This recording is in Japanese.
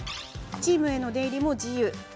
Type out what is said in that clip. チームへの出入りも自由です。